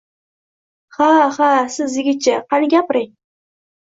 Ha, ha, siz, yigitcha, qani, gapiring!